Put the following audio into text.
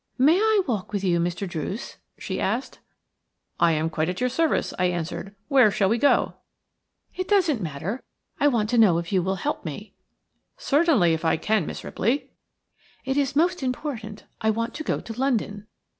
"May I walk with you, Mr. Druce?" she asked. "I am quite at your service," I answered. "Where shall we go?" "It doesn't matter. I want to know if you will help me." "Certainly, if I can, Miss Ripley." "It is most important. I want to go to London."